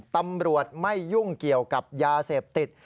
ตำรวจไม่ยุ่งเกี่ยวกับยาเสพติด